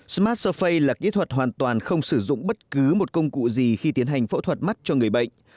smart sofay là kỹ thuật hoàn toàn không sử dụng bất cứ một công cụ gì khi tiến hành phẫu thuật mắt cho người bệnh